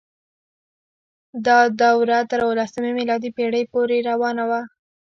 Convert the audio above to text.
دا دوره تر اوولسمې میلادي پیړۍ پورې روانه وه.